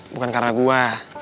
bukan karena gue